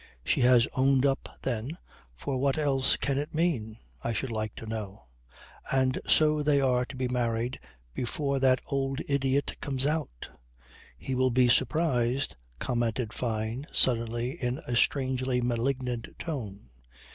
She has owned up, then, for what else can it mean, I should like to know. And so they are to be married before that old idiot comes out ... He will be surprised," commented Fyne suddenly in a strangely malignant tone.